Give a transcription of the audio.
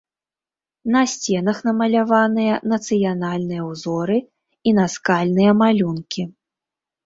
На сценах намаляваныя нацыянальныя ўзоры і наскальныя малюнкі.